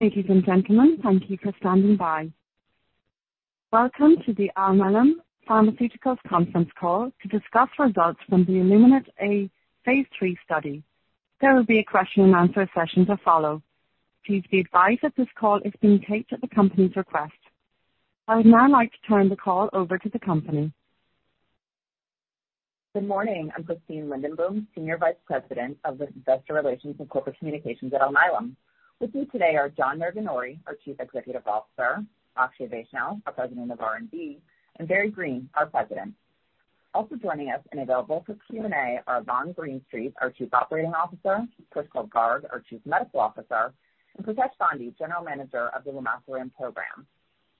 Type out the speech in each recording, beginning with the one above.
Ladies and gentlemen, thank you for standing by. Welcome to the Alnylam Pharmaceuticals Conference Call to discuss results from the ILLUMINATE-A phase 3 study. There will be a question and answer session to follow. Please be advised that this call is being taped at the company's request. I would now like to turn the call over to the company. Good morning. I'm Christine Lindenboom, Senior Vice President of Investor Relations and Corporate Communications at Alnylam. With me today are John Maraganore, our Chief Executive Officer, Akshay Vaishnaw, our President of R&D, and Barry Greene, our President. Also joining us and available for Q&A are Yvonne Greenstreet, our Chief Operating Officer, Pushkal Garg, our Chief Medical Officer, and Pritesh Gandhi, General Manager of the lumasiran Program.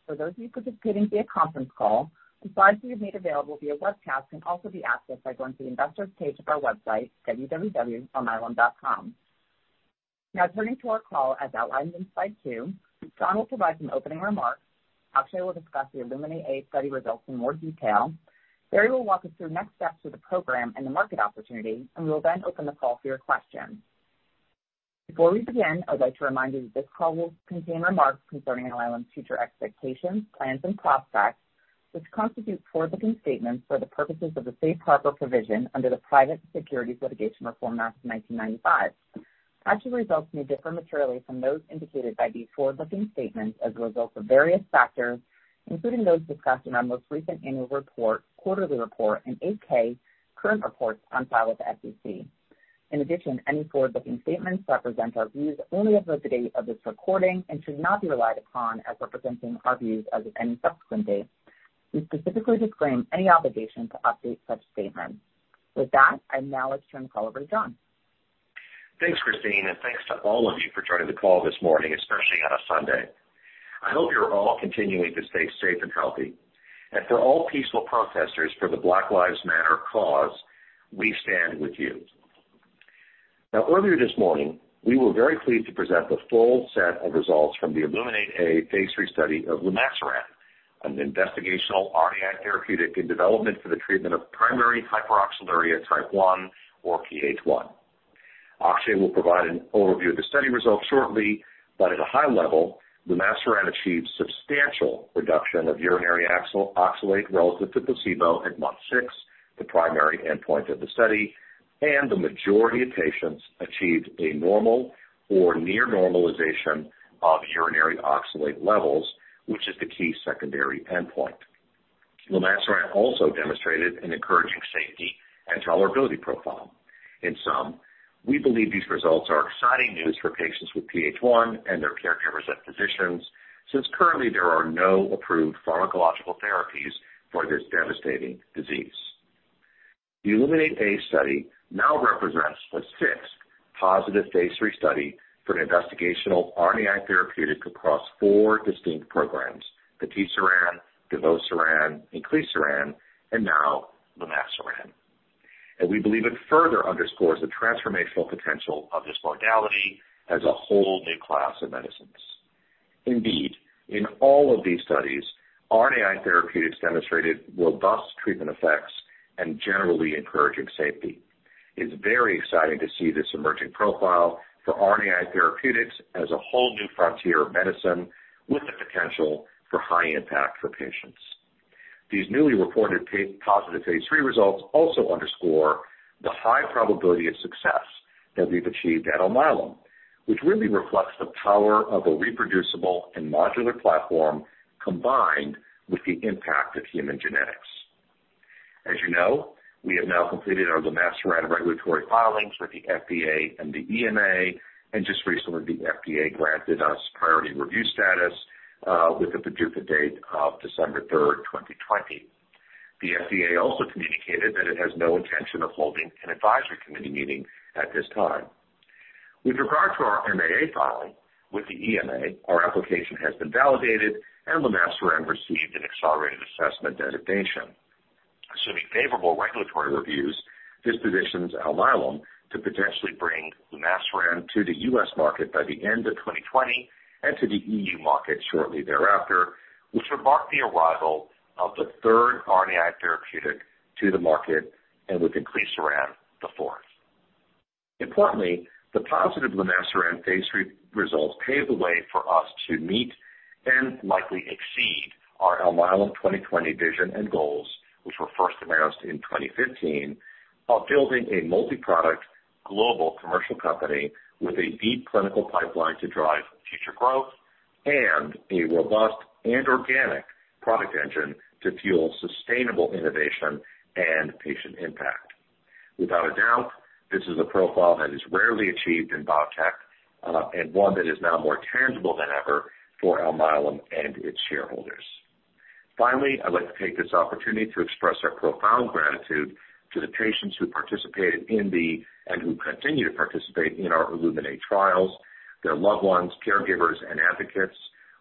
For those of you participating via conference call, the slides we have made available via webcast can also be accessed by going to the investors' page of our website, www.alnylam.com. Now, turning to our call, as outlined in slide two, John will provide some opening remarks. Akshay will discuss the ILLUMINATE-A study results in more detail. Barry will walk us through next steps with the program and the market opportunity, and we will then open the call for your questions. Before we begin, I would like to remind you that this call will contain remarks concerning Alnylam's future expectations, plans, and prospects, which constitute forward-looking statements for the purposes of the Safe Harbor Provision under the Private Securities Litigation Reform Act of 1995. Actual results may differ materially from those indicated by these forward-looking statements as a result of various factors, including those discussed in our most recent annual report, quarterly report, and other current reports on file with the SEC. In addition, any forward-looking statements represent our views only as of the date of this recording and should not be relied upon as representing our views as of any subsequent date. We specifically disclaim any obligation to update such statements. With that, I now would like to turn the call over to John. Thanks, Christine, and thanks to all of you for joining the call this morning, especially on a Sunday. I hope you're all continuing to stay safe and healthy, and for all peaceful protesters for the Black Lives Matter cause, we stand with you. Now, earlier this morning, we were very pleased to present the full set of results from the ILLUMINATE-A Phase 3 study of lumasiran, an investigational RNAi therapeutic in development for the treatment of primary hyperoxaluria Type 1, or PH1. Akshay will provide an overview of the study results shortly, but at a high level, lumasiran achieved substantial reduction of urinary oxalate relative to placebo at month six, the primary endpoint of the study, and the majority of patients achieved a normal or near normalization of urinary oxalate levels, which is the key secondary endpoint. Lumasiran also demonstrated an encouraging safety and tolerability profile. In sum, we believe these results are exciting news for patients with PH1 and their caregivers and physicians since currently there are no approved pharmacological therapies for this devastating disease. The ILLUMINATE-A study now represents the sixth positive Phase 3 study for an investigational RNAi therapeutic across four distinct programs: the patisiran, givosiran, inclisiran, and now lumasiran. And we believe it further underscores the transformational potential of this modality as a whole new class of medicines. Indeed, in all of these studies, RNAi therapeutics demonstrated robust treatment effects and generally encouraging safety. It's very exciting to see this emerging profile for RNAi therapeutics as a whole new frontier of medicine with the potential for high impact for patients. These newly reported positive Phase 3 results also underscore the high probability of success that we've achieved at Alnylam, which really reflects the power of a reproducible and modular platform combined with the impact of human genetics. As you know, we have now completed our lumasiran regulatory filings with the FDA and the EMA, and just recently the FDA granted us priority review status with a PDUFA date of December 3rd, 2020. The FDA also communicated that it has no intention of holding an advisory committee meeting at this time. With regard to our MAA filing with the EMA, our application has been validated, and lumasiran received an accelerated assessment designation. Assuming favorable regulatory reviews, this positions Alnylam to potentially bring lumasiran to the U.S. market by the end of 2020 and to the E.U. market shortly thereafter, which would mark the arrival of the third RNAi therapeutic to the market, and with Inclisiran, the fourth. Importantly, the positive lumasiran phase 3 results paved the way for us to meet and likely exceed our Alnylam 2020 vision and goals, which were first announced in 2015, while building a multi-product global commercial company with a deep clinical pipeline to drive future growth and a robust and organic product engine to fuel sustainable innovation and patient impact. Without a doubt, this is a profile that is rarely achieved in biotech and one that is now more tangible than ever for Alnylam and its shareholders. Finally, I'd like to take this opportunity to express our profound gratitude to the patients who participated in the Illuminate and who continue to participate in our Illuminate trials, their loved ones, caregivers, and advocates.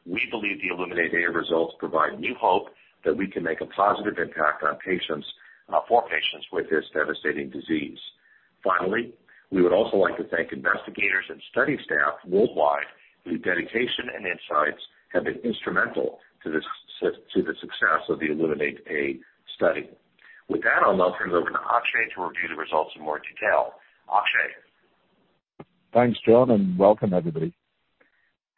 We believe the ILLUMINATE-A results provide new hope that we can make a positive impact on patients with this devastating disease. Finally, we would also like to thank investigators and study staff worldwide whose dedication and insights have been instrumental to the success of the ILLUMINATE-A study. With that, I'll now turn it over to Akshay to review the results in more detail. Akshay. Thanks, John, and welcome, everybody.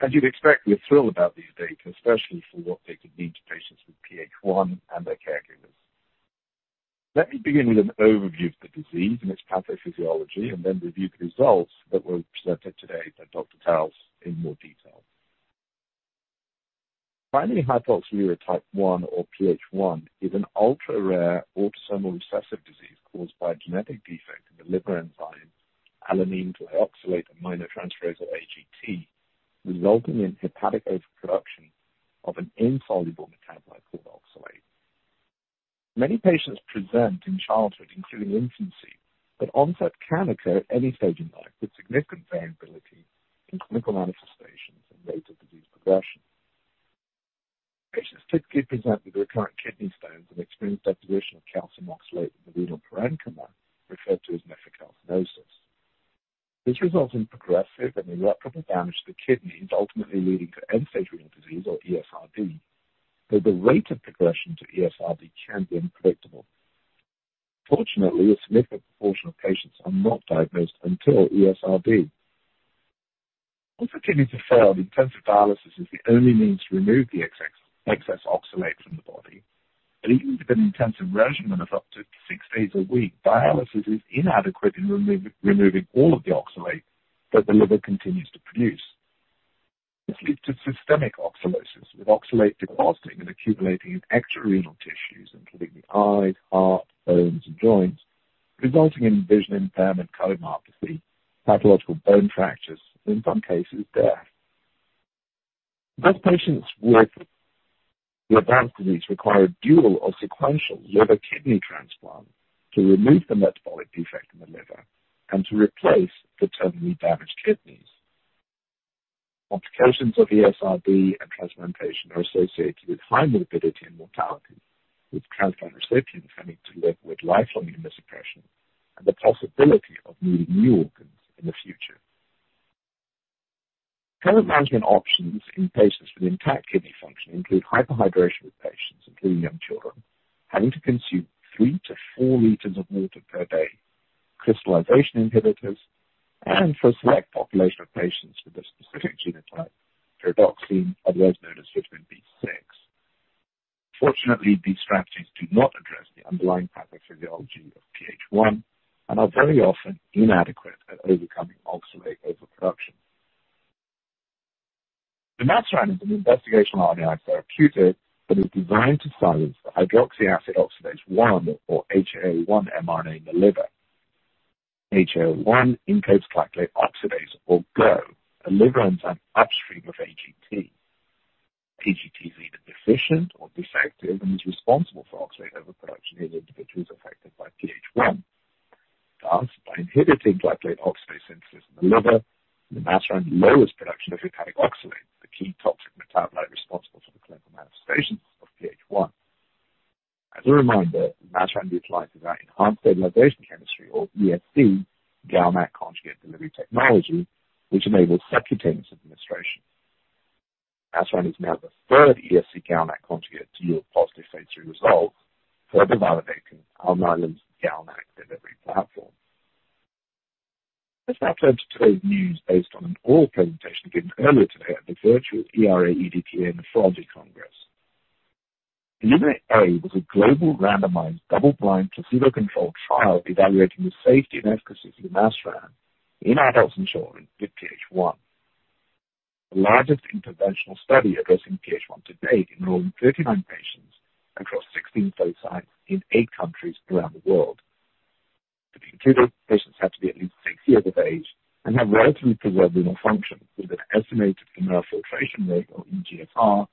As you'd expect, we're thrilled about these data, especially for what they could mean to patients with PH1 and their caregivers. Let me begin with an overview of the disease and its pathophysiology, and then review the results that were presented today by Dr. Lieske in more detail. Primary hyperoxaluria Type 1, or PH1, is an ultra-rare autosomal recessive disease caused by a genetic defect in the liver enzyme alanine-glyoxylate aminotransferase or AGT, resulting in hepatic overproduction of an insoluble metabolite called oxalate. Many patients present in childhood, including infancy, but onset can occur at any stage in life with significant variability in clinical manifestations and rates of disease progression. Patients typically present with recurrent kidney stones and experience deposition of calcium oxalate in the renal parenchyma, referred to as nephrocalcinosis. This results in progressive and irreparable damage to the kidneys, ultimately leading to end-stage renal disease, or ESRD, though the rate of progression to ESRD can be unpredictable. Fortunately, a significant proportion of patients are not diagnosed until ESRD. Once the kidneys have failed, intensive dialysis is the only means to remove the excess oxalate from the body. But even with an intensive regimen of up to six days a week, dialysis is inadequate in removing all of the oxalate that the liver continues to produce. This leads to systemic oxalosis, with oxalate depositing and accumulating in extra-renal tissues, including the eyes, heart, bones, and joints, resulting in vision impairment, cardiomyopathy, pathological bone fractures, and in some cases, death. Most patients with the advanced disease require a dual or sequential liver-kidney transplant to remove the metabolic defect in the liver and to replace the terminally damaged kidneys. Complications of ESRD and transplantation are associated with high morbidity and mortality, with transplant recipients having to live with lifelong immunosuppression and the possibility of needing new organs in the future. Current management options in patients with intact kidney function include hyperhydration, with patients, including young children, having to consume three to four liters of water per day, crystallization inhibitors, and for a select population of patients with a specific genotype, pyridoxine, otherwise known as vitamin B6. Fortunately, these strategies do not address the underlying pathophysiology of PH1 and are very often inadequate at overcoming oxalate overproduction. Lumasiran is an investigational RNAi therapeutic that is designed to silence the hydroxyacid oxidase 1, or HAO1 mRNA, in the liver. HAO1 encodes glycolate oxidase, or GO, a liver enzyme upstream of AGT. AGT is either deficient or defective and is responsible for oxalate overproduction in individuals affected by PH1. Thus, by inhibiting glycolate oxidase synthesis in the liver, Lumasiran lowers production of hepatic oxalate, the key toxic metabolite responsible for the clinical manifestations of PH1. As a reminder, Lumasiran utilizes our enhanced stabilization chemistry, or ESC, GalNAc conjugate delivery technology, which enables subcutaneous administration. Lumasiran is now the third ESC GalNAc conjugate to yield positive Phase 3 results, further validating Alnylam's GalNAc delivery platform. Let's now turn to today's news based on an oral presentation given earlier today at the virtual ERA-EDTA Nephrology Congress. ILLUMINATE-A was a global randomized double-blind placebo-controlled trial evaluating the safety and efficacy of lumasiran in adults and children with PH1. The largest interventional study addressing PH1 to date enrolled 39 patients across 16 study sites in eight countries around the world. To be included, patients had to be at least six years of age and have relatively preserved renal function with an estimated glomerular filtration rate, or eGFR,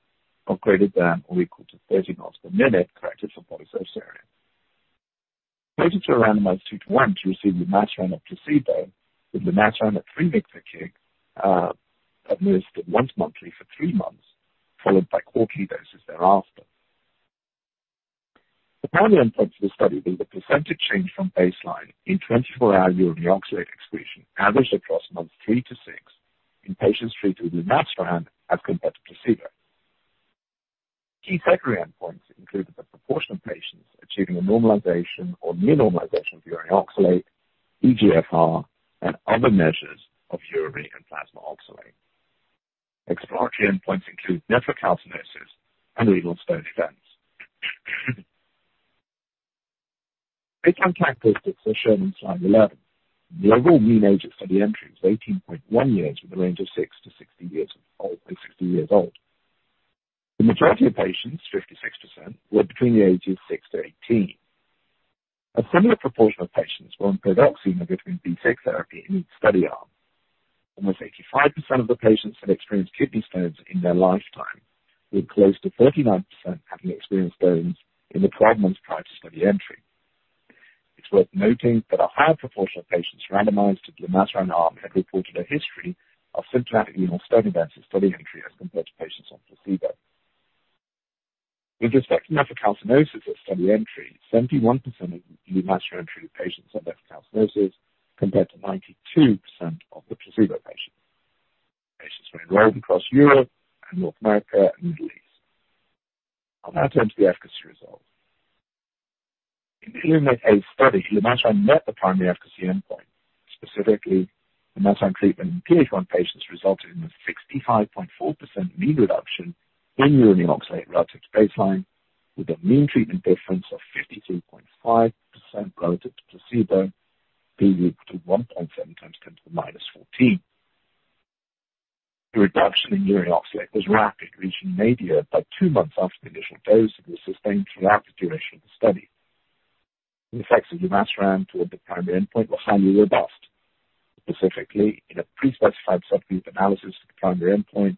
of greater than or equal to 30 mL per minute, corrected for body surface area. Patients were randomized 2:1 to receive lumasiran or placebo, with lumasiran. A 3 mg/kg dose administered once monthly for three months, followed by quarterly doses thereafter. The primary endpoint for the study was the % change from baseline in 24-hour urinary oxalate excretion averaged across months three to six in patients treated with lumasiran as compared to placebo. Key secondary endpoints included the proportion of patients achieving a normalization or near-normalization of urinary oxalate, eGFR, and other measures of urinary and plasma oxalate. Exploratory endpoints include nephrocalcinosis and renal stone events. Baseline characteristics are shown in slide 11. The overall mean age at study entry was 18.1 years, with a range of six to 60 years old. The majority of patients, 56%, were between the ages six to 18. A similar proportion of patients were on pyridoxine or vitamin B6 therapy in each study arm. Almost 85% of the patients had experienced kidney stones in their lifetime, with close to 39% having experienced stones in the 12 months prior to study entry. It's worth noting that a higher proportion of patients randomized to the lumasiran arm had reported a history of symptomatic renal stone events at study entry as compared to patients on placebo. With respect to nephrocalcinosis at study entry, 71% of lumasiran treated patients had nephrocalcinosis compared to 92% of the placebo patients. Patients were enrolled across Europe and North America and the Middle East. I'll now turn to the efficacy results. In the ILLUMINATE-A study, lumasiran met the primary efficacy endpoint. Specifically, lumasiran treatment in PH1 patients resulted in a 65.4% mean reduction in urinary oxalate relative to baseline, with a mean treatment difference of 53.5% relative to placebo, being equal to 1.7x10 to the -14. The reduction in urinary oxalate was rapid, reaching nadir by two months after the initial dose and was sustained throughout the duration of the study. The effects of lumasiran toward the primary endpoint were highly robust. Specifically, in a pre-specified subgroup analysis for the primary endpoint,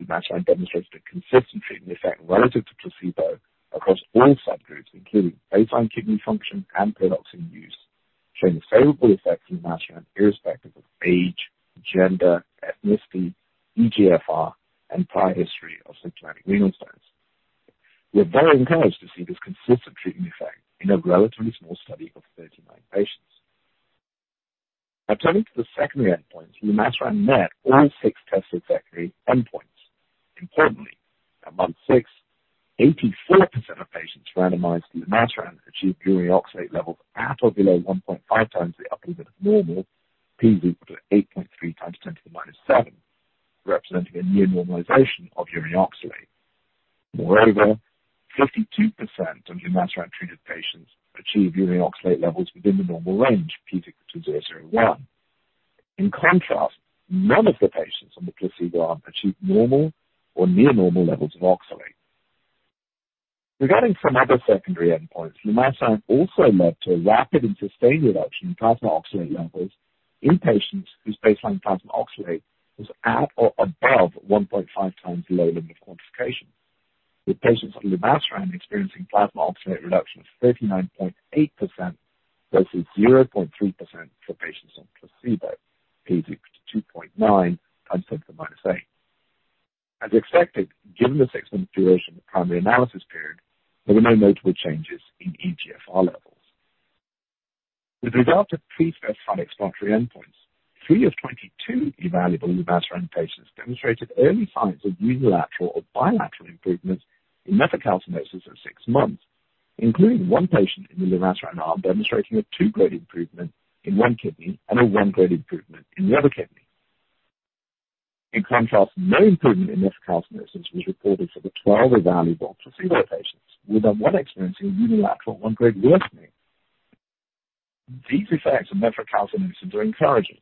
lumasiran demonstrated a consistent treatment effect relative to placebo across all subgroups, including baseline kidney function and pyridoxine use, showing favorable effects on lumasiran irrespective of age, gender, ethnicity, eGFR, and prior history of symptomatic renal stones. We are very encouraged to see this consistent treatment effect in a relatively small study of 39 patients. Now, turning to the secondary endpoints, lumasiran met all six tested secondary endpoints. Importantly, at month six, 84% of patients randomized to lumasiran achieved urinary oxalate levels at or below 1.5x the upper limit of normal, being equal to 8.3x10 to the -7, representing a near-normalization of urinary oxalate. Moreover, 52% of lumasiran treated patients achieved urinary oxalate levels within the normal range, being equal to 0.01. In contrast, none of the patients on the placebo arm achieved normal or near-normal levels of oxalate. Regarding some other secondary endpoints, lumasiran also led to a rapid and sustained reduction in plasma oxalate levels in patients whose baseline plasma oxalate was at or above 1.5x the lower limit of quantification, with patients on lumasiran experiencing plasma oxalate reduction of 39.8% vs 0.3% for patients on placebo, being equal to 2.9x10 to the -8. As expected, given the six-month duration of the primary analysis period, there were no notable changes in eGFR levels. With regard to pre-specified exploratory endpoints, three of 22 evaluable lumasiran patients demonstrated early signs of unilateral or bilateral improvement in nephrocalcinosis at six months, including one patient in the lumasiran arm demonstrating a two-grade improvement in one kidney and a one-grade improvement in the other kidney. In contrast, no improvement in nephrocalcinosis was reported for the 12 evaluable placebo patients, with one experiencing unilateral one-grade worsening. These effects of nephrocalcinosis are encouraging,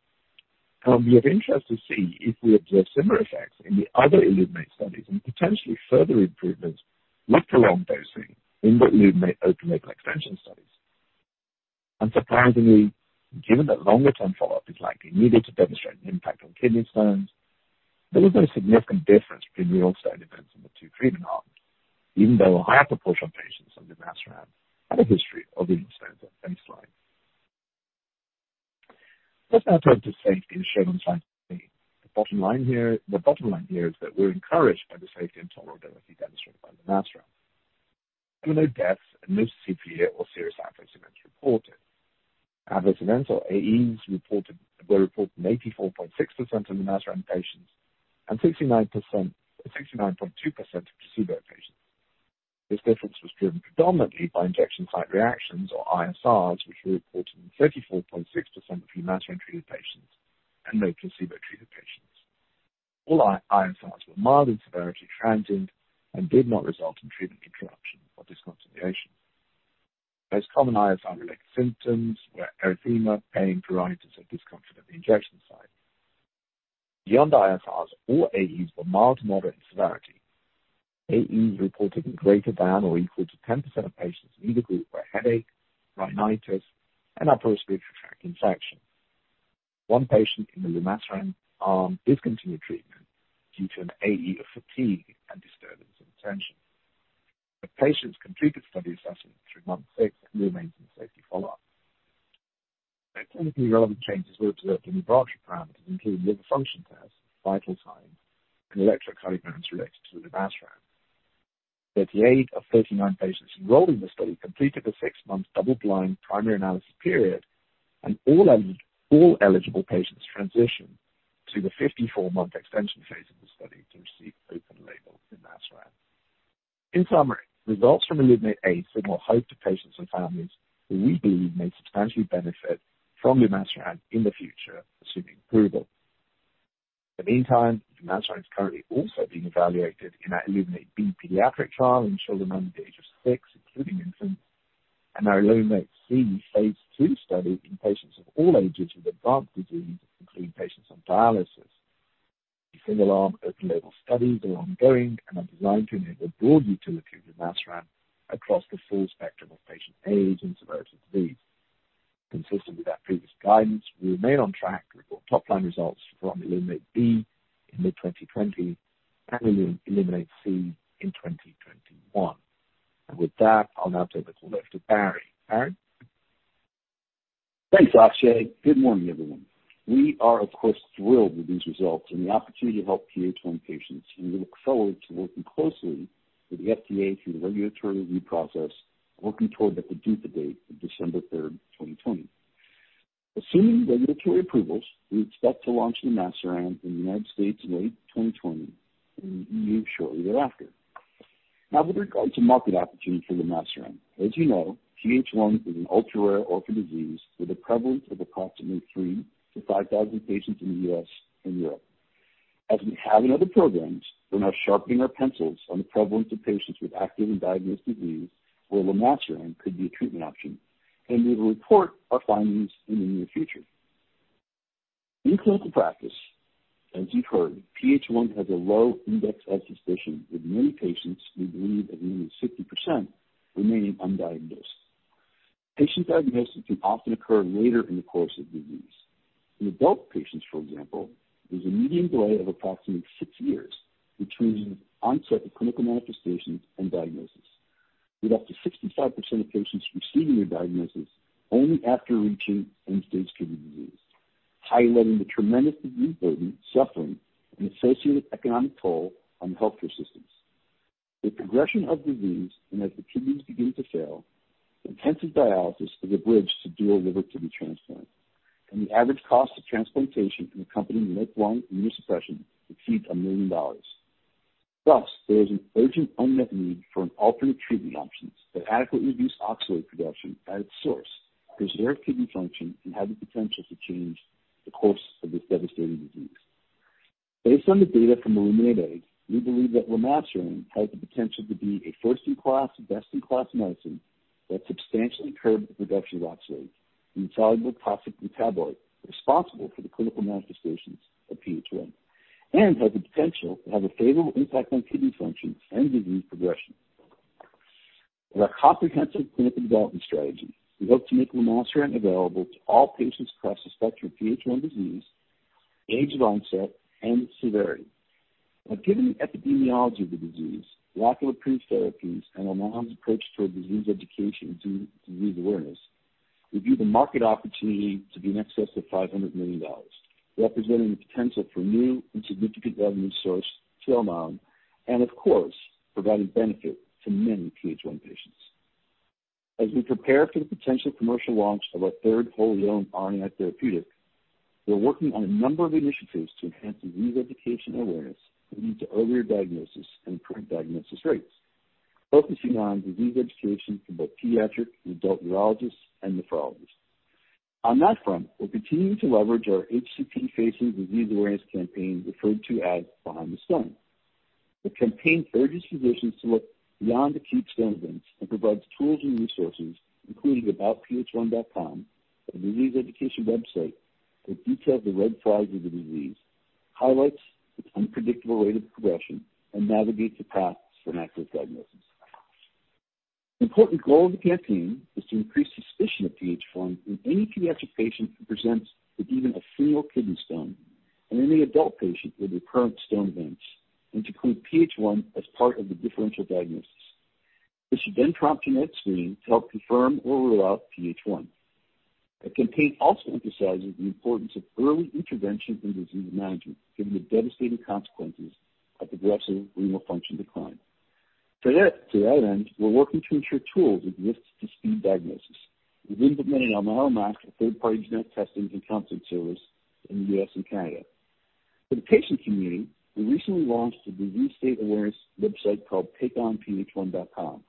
and it would be of interest to see if we observe similar effects in the other ILLUMINATE studies and potentially further improvements with prolonged dosing in the ILLUMINATE open-label extension studies. Unsurprisingly, given that longer-term follow-up is likely needed to demonstrate an impact on kidney stones, there was no significant difference between renal stone events in the two treatment arms, even though a higher proportion of patients on lumasiran had a history of renal stones at baseline. Let's now turn to safety as shown on slide 13. The bottom line here is that we're encouraged by the safety and tolerability demonstrated by lumasiran. There were no deaths and no severe or serious adverse events reported. Adverse events or AEs were reported in 84.6% of lumasiran patients and 69.2% of placebo patients. This difference was driven predominantly by injection site reactions, or ISRs, which were reported in 34.6% of lumasiran treated patients and no placebo-treated patients. All ISRs were mild in severity, transient, and did not result in treatment interruption or discontinuation. Most common ISR-related symptoms were erythema, pain, pruritus, or discomfort at the injection site. Beyond ISRs, all AEs were mild to moderate in severity. AEs reported in greater than or equal to 10% of patients in either group were headache, rhinitis, and upper respiratory tract infection. One patient in the lumasiran arm discontinued treatment due to an AE of fatigue and disturbance in attention. The patients completed study assessment through month six and remained in safety follow-up. No clinically relevant changes were observed in laboratory parameters, including liver function tests, vital signs, and electrocardiograms related to the lumasiran. 38 of 39 patients enrolled in the study completed the six-month double-blind primary analysis period, and all eligible patients transitioned to the 54-month extension phase of the study to receive open-label lumasiran. In summary, results from ILLUMINATE-A signal hope to patients and families who we believe may substantially benefit from lumasiran in the future, assuming approval. In the meantime, lumasiran is currently also being evaluated in our ILLUMINATE-B pediatric trial in children under the age of six, including infants, and our ILLUMINATE-C Phase 2 study in patients of all ages with advanced disease, including patients on dialysis. The single-arm, open-label studies are ongoing and are designed to enable broad utility of lumasiran across the full spectrum of patient age and severity of disease. Consistent with our previous guidance, we remain on track to report top-line results from ILLUMINATE-B in mid-2020 and ILLUMINATE-C in 2021. And with that, I'll now turn the call over to Barry. Barry? Thanks, Akshay. Good morning, everyone. We are, of course, thrilled with these results and the opportunity to help PH1 patients, and we look forward to working closely with the FDA through the regulatory review process, working toward the PDUFA date of December 3rd, 2020. Assuming regulatory approvals, we expect to launch lumasiran in the United States in late 2020 and in the E.U. shortly thereafter. Now, with regard to market opportunity for lumasiran, as you know, PH1 is an ultra-rare orphan disease with a prevalence of approximately 3,000-5,000 patients in the U.S. and Europe. As we have in other programs, we're now sharpening our pencils on the prevalence of patients with active and diagnosed disease where lumasiran could be a treatment option, and we will report our findings in the near future. In clinical practice, as you've heard, PH1 has a low index of suspicion, with many patients, we believe, as many as 60% remaining undiagnosed. Patient diagnosis can often occur later in the course of disease. In adult patients, for example, there's a median delay of approximately six years between the onset of clinical manifestations and diagnosis, with up to 65% of patients receiving their diagnosis only after reaching end-stage kidney disease, highlighting the tremendous disease burden, suffering, and associated economic toll on healthcare systems. With progression of disease and as the kidneys begin to fail, intensive dialysis is a bridge to dual-liver kidney transplant, and the average cost of transplantation and accompanying lifelong immunosuppression exceeds $1 million. Thus, there is an urgent, unmet need for alternative treatment options that adequately reduce oxalate production at its source, preserve kidney function, and have the potential to change the course of this devastating disease. Based on the data from ILLUMINATE-A, we believe that lumasiran has the potential to be a first-in-class, best-in-class medicine that substantially curbs the production of oxalate and soluble toxic metabolite responsible for the clinical manifestations of PH1, and has the potential to have a favorable impact on kidney function and disease progression. With our comprehensive clinical development strategy, we hope to make lumasiran available to all patients across the spectrum of PH1 disease, age of onset, and its severity. Now, given the epidemiology of the disease, lack of approved therapies, and Alnylam's approach toward disease education and disease awareness, we view the market opportunity to be in excess of $500 million, representing the potential for new and significant revenue sources to Alnylam and, of course, providing benefit to many PH1 patients. As we prepare for the potential commercial launch of our third wholly-owned RNAi therapeutic, we're working on a number of initiatives to enhance disease education and awareness leading to earlier diagnosis and improved diagnosis rates, focusing on disease education for both pediatric and adult urologists and nephrologists. On that front, we're continuing to leverage our HCP-facing disease awareness campaign referred to as Behind the Stone. The campaign urges physicians to look beyond acute stone events and provides tools and resources, including AboutPH1.com, a disease education website that details the red flags of the disease, highlights its unpredictable rate of progression, and navigates the path to an accurate diagnosis. An important goal of the campaign is to increase suspicion of PH1 in any pediatric patient who presents with even a single kidney stone and any adult patient with recurrent stone events, and to include PH1 as part of the differential diagnosis. This should then prompt an ex-screen to help confirm or rule out PH1. The campaign also emphasizes the importance of early intervention in disease management, given the devastating consequences of progressive renal function decline. To that end, we're working to ensure tools exist to speed diagnosis. We've implemented Alnylam Act for third-party genetic testing and counseling service in the U.S. and Canada. For the patient community, we recently launched a disease state awareness website called TakeOnPH1.com.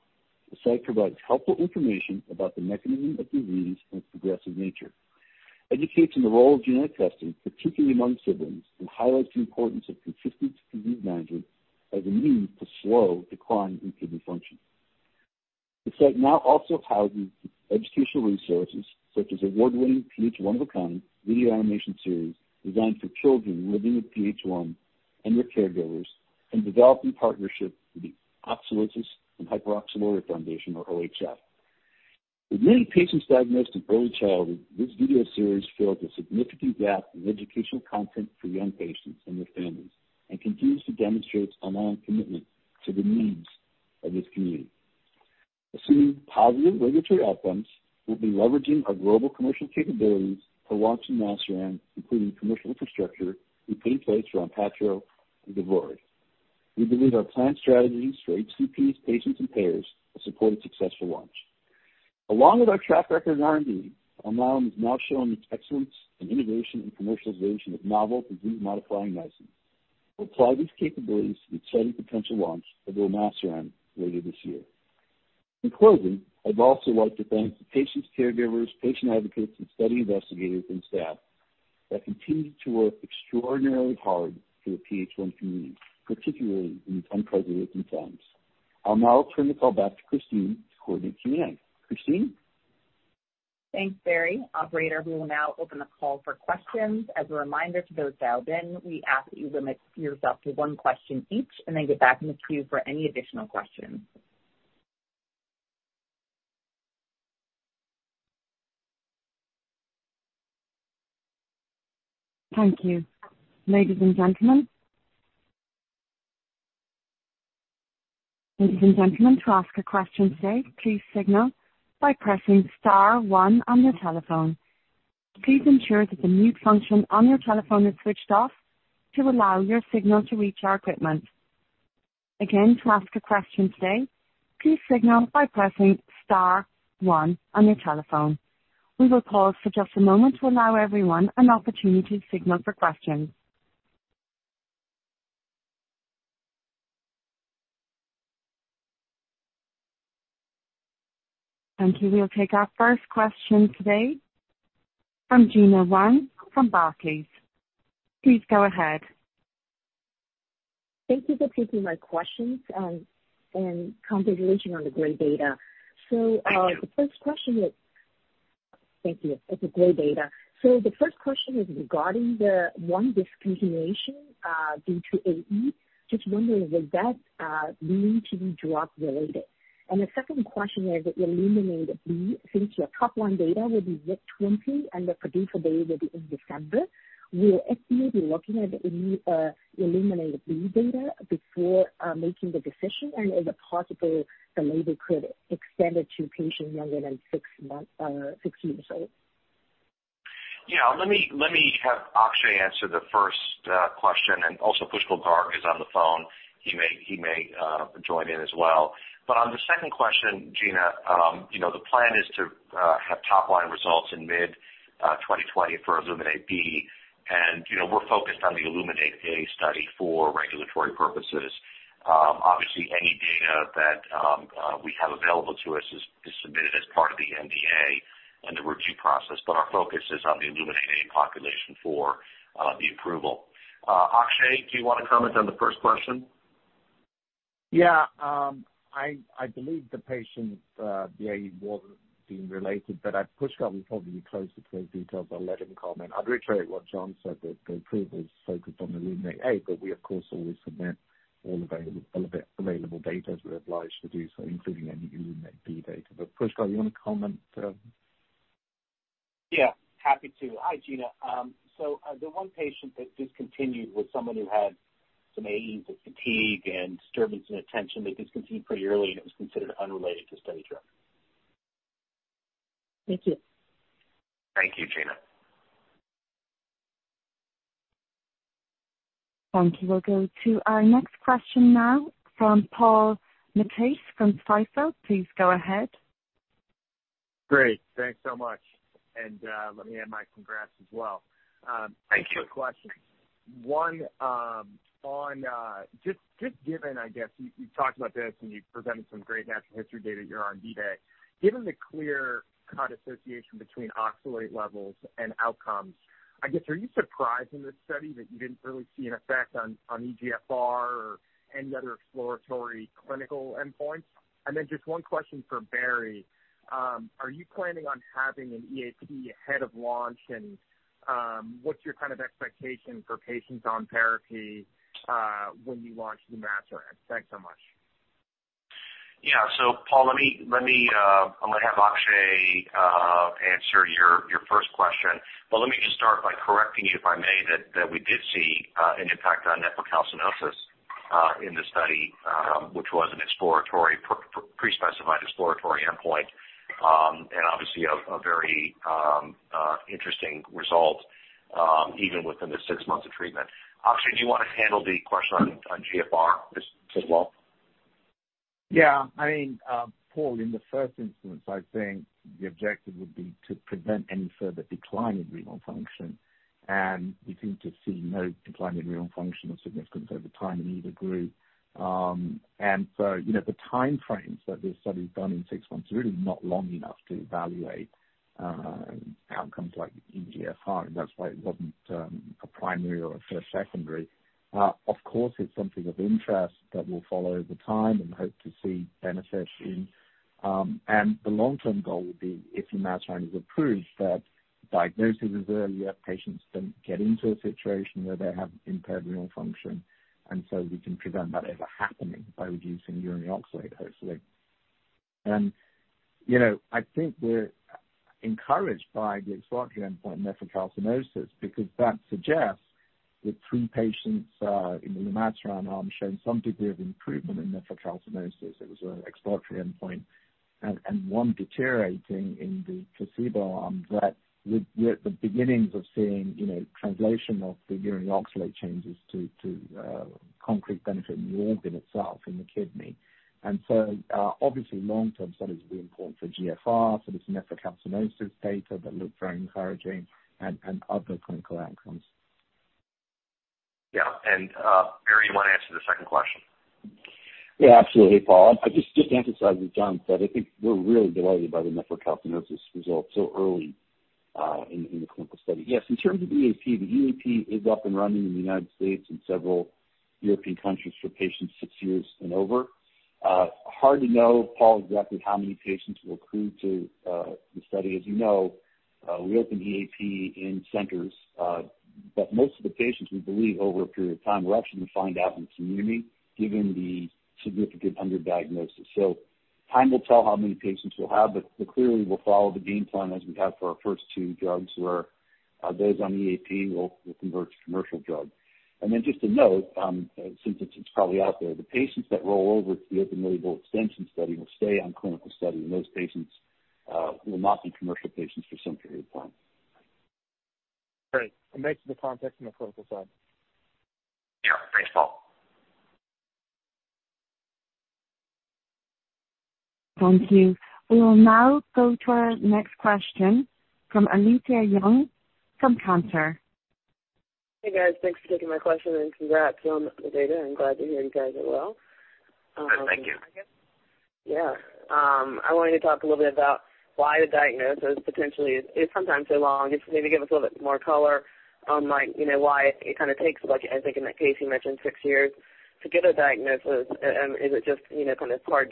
The site provides helpful information about the mechanism of disease and its progressive nature, educates on the role of genetic testing, particularly among siblings, and highlights the importance of consistent disease management as a means to slow decline in kidney function. The site now also houses educational resources such as award-winning PH1 of a Kind video animation series designed for children living with PH1 and their caregivers, and developing partnerships with the Oxalosis and Hyperoxaluria Foundation, or OHF. With many patients diagnosed in early childhood, this video series fills a significant gap in educational content for young patients and their families and continues to demonstrate Alnylam's commitment to the needs of its community. Assuming positive regulatory outcomes, we'll be leveraging our global commercial capabilities for launching lumasiran, including commercial infrastructure we put in place for Onpattro and Givlaari. We believe our planned strategies for HCPs, patients, and payers will support a successful launch. Along with our track record in R&D, Alnylam has now shown its excellence in integration and commercialization of novel disease-modifying medicines. We'll apply these capabilities to the exciting potential launch of lumasiran later this year. In closing, I'd also like to thank the patients, caregivers, patient advocates, and study investigators and staff that continue to work extraordinarily hard for the PH1 community, particularly in these unprecedented times. I'll now turn the call back to Christine to coordinate Q&A. Christine? Thanks, Barry. Operator, we will now open the call for questions. As a reminder to those dialed in, we ask that you limit yourself to one question each and then get back in the queue for any additional questions. Thank you. Ladies and gentlemen, ladies and gentlemen, to ask a question today, please signal by pressing star one on your telephone. Please ensure that the mute function on your telephone is switched off to allow your signal to reach our equipment. Again, to ask a question today, please signal by pressing star one on your telephone. We will pause for just a moment to allow everyone an opportunity to signal for questions. Thank you. We'll take our first question today from Gena Wang from Barclays. Please go ahead. Thank you for taking my questions, and congratulations on the great data. So the first question is, thank you. It's a great data. The first question is regarding the one discontinuation due to AE. Just wondering, would that need to be drug-related? And the second question is that ILLUMINATE-B, since your top-line data will be mid-2020 and the PDUFA date will be in December, will FDA be looking at ILLUMINATE-B data before making the decision? And is it possible the label could extend it to patients younger than six years old? Yeah. Let me have Akshay answer the first question, and also Pushkal Garg is on the phone. He may join in as well. But on the second question, Gena, the plan is to have top-line results in mid-2020 for ILLUMINATE-B. And we're focused on the ILLUMINATE-A study for regulatory purposes. Obviously, any data that we have available to us is submitted as part of the NDA and the review process, but our focus is on the ILLUMINATE- population for the approval. Akshay, do you want to comment on the first question? Yeah. I believe the patient's AE wasn't being related, but Pushkal will probably be closer to those details. I'll let him comment. I'd reiterate what John said, that the approval is focused on ILLUMINATE-A, but we, of course, always submit all available data as we're obliged to do so, including any ILLUMINATE-B data. But Pushkal, you want to comment? Yeah. Happy to. Hi, Gena. So the one patient that discontinued was someone who had some AEs with fatigue and disturbance in attention. They discontinued pretty early, and it was considered unrelated to study drug. Thank you. Thank you, Gena. Thank you. We'll go to our next question now from Paul Matteis from Stifel. Please go ahead. Great. Thanks so much. And let me add my congrats as well. Thank you. Two questions. One, just given. I guess you've talked about this and you've presented some great natural history data at your R&D day. Given the clear cut association between oxalate levels and outcomes, I guess, are you surprised in this study that you didn't really see an effect on eGFR or any other exploratory clinical endpoints? And then just one question for Barry. Are you planning on having an EAP ahead of launch? And what's your kind of expectation for patients on therapy when you launch lumasiran? Thanks so much. Yeah. So, Paul, I'm going to have Akshay answer your first question. But let me just start by correcting you, if I may, that we did see an impact on nephrocalcinosis in the study, which was an exploratory, pre-specified exploratory endpoint, and obviously a very interesting result, even within the six months of treatment. Akshay, do you want to handle the question on eGFR as well? Yeah. I mean, Paul, in the first instance, I think the objective would be to prevent any further decline in renal function. And we seem to see no decline in renal function of significance over time in either group. And so the timeframes that this study's done in six months are really not long enough to evaluate outcomes like eGFR. And that's why it wasn't a primary or a first secondary. Of course, it's something of interest that will follow over time and hope to see benefits in. The long-term goal would be, if lumasiran is approved, that diagnosis is earlier, patients don't get into a situation where they have impaired renal function, and so we can prevent that ever happening by reducing urine oxalate, hopefully. I think we're encouraged by the exploratory endpoint nephrocalcinosis because that suggests that three patients in the lumasiran arm showed some degree of improvement in nephrocalcinosis. It was an exploratory endpoint, and one deteriorating in the placebo arm that we're at the beginnings of seeing the translation of oxalate changes to concrete benefit in the organ itself, in the kidney. So obviously, long-term studies will be important for GFR, for this nephrocalcinosis data that look very encouraging, and other clinical outcomes. Yeah. Barry, you want to answer the second question? Yeah, absolutely, Paul. I just emphasize what John said. I think we're really delighted by the nephrocalcinosis results so early in the clinical study. Yes. In terms of EAP, the EAP is up and running in the United States and several European countries for patients six years and over. Hard to know, Paul, exactly how many patients we'll accrue to the study. As you know, we open EAP in centers, but most of the patients, we believe, over a period of time, we're actually going to find out in the community given the significant underdiagnosis. So time will tell how many patients we'll have, but clearly, we'll follow the game plan as we have for our first two drugs where those on EAP will convert to commercial drug. And then just to note, since it's probably out there, the patients that roll over to the open label extension study will stay on clinical study, and those patients will not be commercial patients for some period of time. Great. It makes the context on the clinical side. Yeah. Thanks, Paul. Thank you. We will now go to our next question from Alethia Young from Cantor Fitzgerald. Hey, guys. Thanks for taking my question and congrats on the data. I'm glad to hear you guys as well. Thank you. Yeah. I wanted to talk a little bit about why the diagnosis potentially is sometimes so long. Just maybe give us a little bit more color on why it kind of takes, I think, in that case, you mentioned six years to get a diagnosis. Is it just kind of hard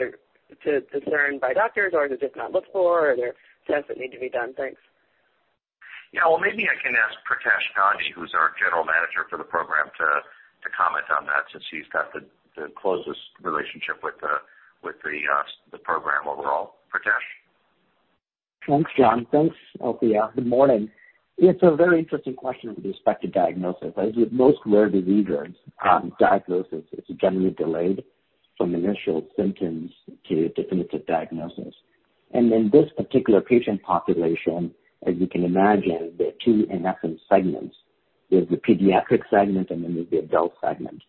to discern by doctors, or is it just not looked for, or are there tests that need to be done? Thanks. Yeah. Well, maybe I can ask Pritesh Gandhi, who's our General Manager for the program, to comment on that since he's got the closest relationship with the program overall. Pritesh? Thanks, John. Thanks, Alethia. Good morning. It's a very interesting question with respect to diagnosis. As with most rare diseases, diagnosis is generally delayed from initial symptoms to definitive diagnosis. In this particular patient population, as you can imagine, there are two, in essence, segments. There's the pediatric segment, and then there's the adult segment.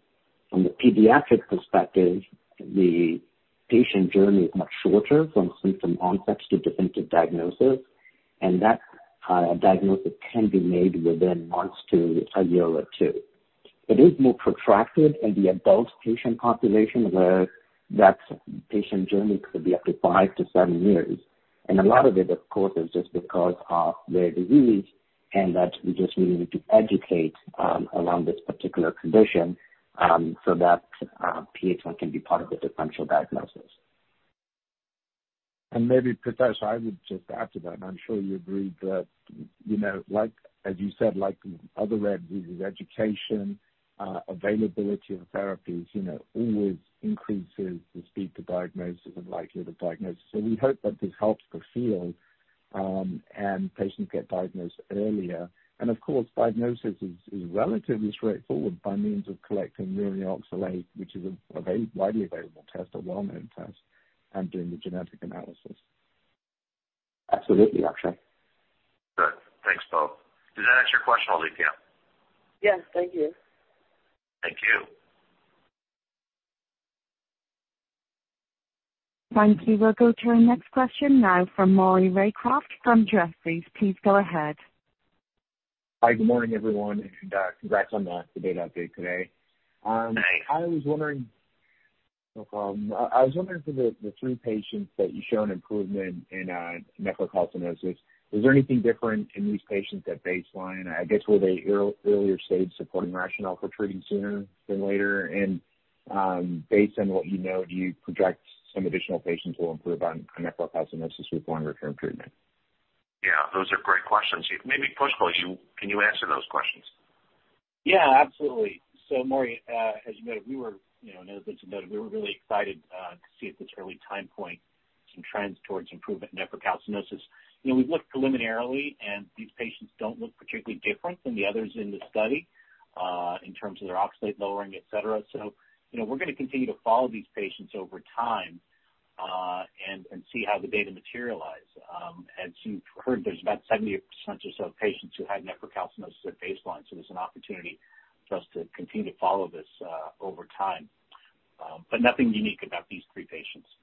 From the pediatric perspective, the patient journey is much shorter from symptom onset to definitive diagnosis, and that diagnosis can be made within months to a year or two. It is more protracted in the adult patient population, where that patient journey could be up to five to seven years. And a lot of it, of course, is just because of their disease and that we just really need to educate around this particular condition so that PH1 can be part of the differential diagnosis. And maybe, Pritesh, I would just add to that. And I'm sure you agree that, as you said, like other rare diseases, education, availability of therapies always increases the speed to diagnosis and likelihood of diagnosis. So we hope that this helps the field and patients get diagnosed earlier. And of course, diagnosis is relatively straightforward by means of collecting urine oxalate, which is a widely available test, a well-known test, and doing the genetic analysis. Absolutely, Akshay. Good. Thanks, Paul. Did that answer your question, Alethia? Yes. Thank you. Thank you. Thank you. We'll go to our next question now from Maury Raycroft from Jefferies. Please go ahead. Hi. Good morning, everyone. And congrats on the data update today. Thanks. I was wondering—no problem. I was wondering for the three patients that you showed improvement in nephrocalcinosis, was there anything different in these patients at baseline? I guess, were they earlier stage supporting rationale for treating sooner than later? And based on what you know, do you project some additional patients will improve on nephrocalcinosis with longer-term treatment? Yeah. Those are great questions. Maybe Pushkal, can you answer those questions? Yeah. Absolutely. So Maury, as you know, we were—and as Alicia noted, we were really excited to see at this early time point some trends towards improvement in nephrocalcinosis. We've looked preliminarily, and these patients don't look particularly different than the others in the study in terms of their oxalate lowering, etc. So we're going to continue to follow these patients over time and see how the data materialize. As you've heard, there's about 70% or so of patients who had nephrocalcinosis at baseline, so there's an opportunity for us to continue to follow this over time. But nothing unique about these three patients. I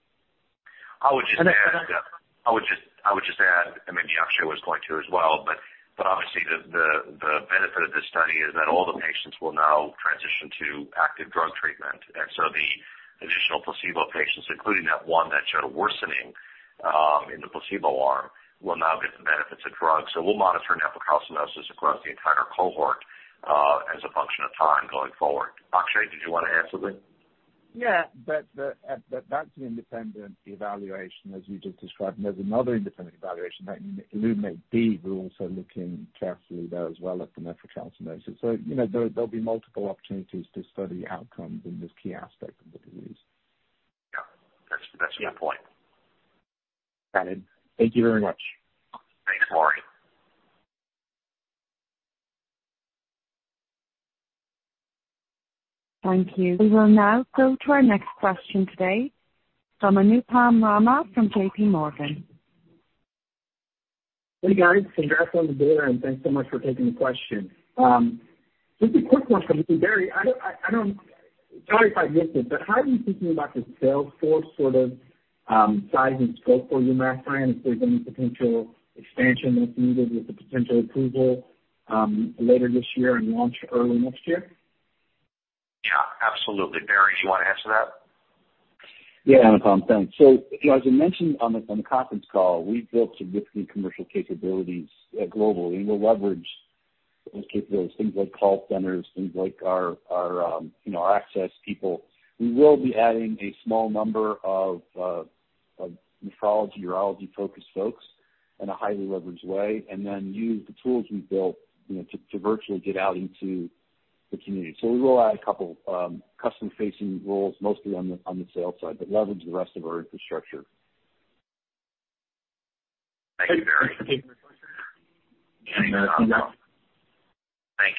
would just add - I would just add, and maybe Akshay was going to as well. But obviously, the benefit of this study is that all the patients will now transition to active drug treatment. And so the additional placebo patients, including that one that showed worsening in the placebo arm, will now get the benefits of drug. So we'll monitor nephrocalcinosis across the entire cohort as a function of time going forward. Akshay, did you want to answer the -? Yeah. But that's an independent evaluation, as you just described. And there's another independent evaluation that ILLUMINATE-B—we're also looking carefully there as well at the nephrocalcinosis. So there'll be multiple opportunities to study outcomes in this key aspect of the disease. Yeah. That's a good point. Got it. Thank you very much. Thanks, Laurie. Thank you. We will now go to our next question today from Anupam Rama from JPMorgan. Hey, guys. Congrats on the dinner, and thanks so much for taking the question. Just a quick one from you, Barry. Sorry if I missed it, but how are you thinking about the sales force sort of size and scope for lumasiran if there's any potential expansion that's needed with the potential approval later this year and launch early next year? Yeah. Absolutely. Barry, do you want to answer that? Yeah. No problem. Thanks. So as I mentioned on the conference call, we've built significant commercial capabilities globally, and we'll leverage those capabilities, things like call centers, things like our access people. We will be adding a small number of nephrology/urology-focused folks in a highly leveraged way and then use the tools we built to virtually get out into the community. So we will add a couple of customer-facing roles, mostly on the sales side, but leverage the rest of our infrastructure. Thank you, Barry. Thank you. Thank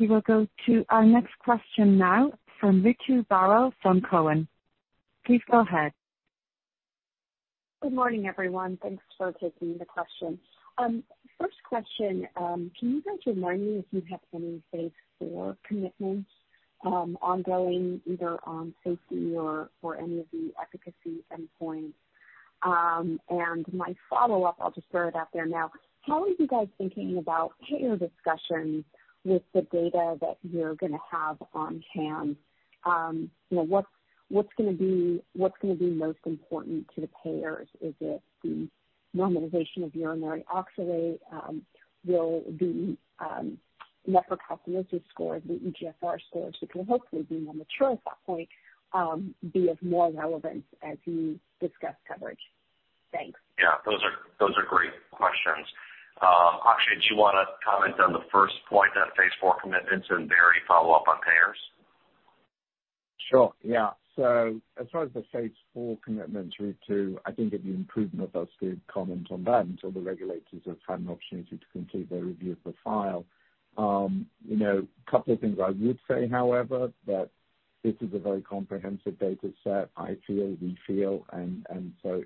you. We'll go to our next question now from Ritu Baral from Cowen. Please go ahead. Good morning, everyone. Thanks for taking the question. First question, can you guys remind me if you have any phase four commitments ongoing, either on safety or any of the efficacy endpoints? My follow-up, I'll just throw it out there now, how are you guys thinking about payer discussions with the data that you're going to have on hand? What's going to be most important to the payers? Is it the normalization of urinary oxalate? Will the nephrocalcinosis scores and the eGFR scores, which will hopefully be more mature at that point, be of more relevance as you discuss coverage? Thanks. Yeah. Those are great questions. Akshay, do you want to comment on the first point, that phase four commitments, and Barry follow up on payers? Sure. Yeah. So as far as the phase four commitments, it's too early for us to comment on that until the regulators have had an opportunity to complete their review of the file. A couple of things I would say, however, that this is a very comprehensive data set, I feel, we feel. And so